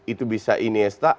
itu bisa iniesta